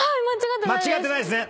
間違ってないですね？